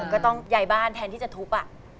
ก็ต้องย้ายบ้านแทนที่จะทุบ